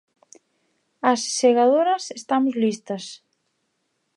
As segadoras estamos listas.